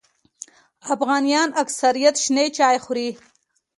افغانان اکثریت شنې چای خوري